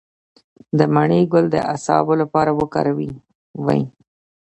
د مڼې ګل د اعصابو لپاره وکاروئ